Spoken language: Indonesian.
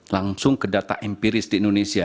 langsung ke data empiris di indonesia